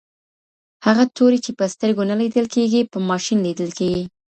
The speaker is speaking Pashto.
هغه توري چې په سترګو نه لیدل کیږي په ماشین لیدل کیږي.